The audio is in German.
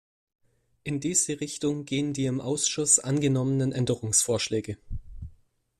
In diese Richtung gehen die im Ausschuss angenommenen Änderungsvorschläge.